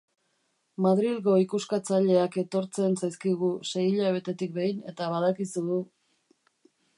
Madrilgo ikuskatzaileak etortzen zaizkigu sei hilabetetik behin eta badakizu...